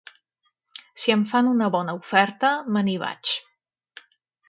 Si em fan una bona oferta, me n'hi vaig.